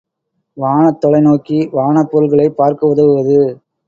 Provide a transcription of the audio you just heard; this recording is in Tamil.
வானத் தொலைநோக்கி வானப் பொருள்களைப் பார்க்க உதவுவது.